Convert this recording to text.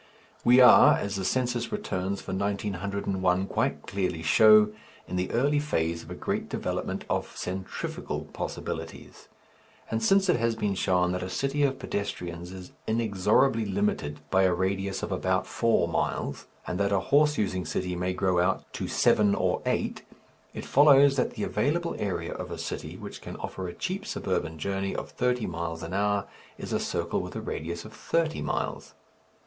We are as the Census Returns for 1901 quite clearly show in the early phase of a great development of centrifugal possibilities. And since it has been shown that a city of pedestrians is inexorably limited by a radius of about four miles, and that a horse using city may grow out to seven or eight, it follows that the available area of a city which can offer a cheap suburban journey of thirty miles an hour is a circle with a radius of thirty miles.